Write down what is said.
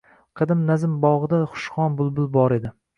Qadim nazm bog‘ida xushxon bulbul bor edi.